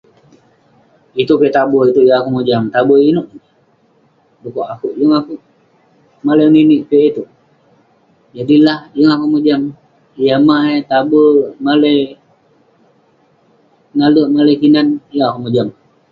Itouk piak tabe itouk yeng akouk mojam, tabe inouk..dukuk akouk, yeng akouk pun ngeninik piak itouk..Jadi lah, yeng akouk mojam yah mah eh Tabe, malai nalerk, malai kinan, yeng akouk mojam..